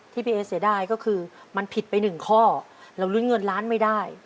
พี่เอเสียดายก็คือมันผิดไปหนึ่งข้อเราลุ้นเงินล้านไม่ได้